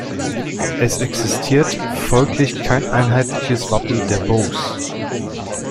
Es existiert folglich kein einheitliches Wappen der Beauce.